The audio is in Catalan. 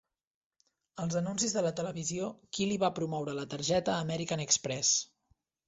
Als anuncis de la televisió, Killy va promoure la targeta American Express.